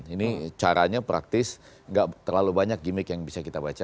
ini caranya praktis gak terlalu banyak gimmick yang bisa kita baca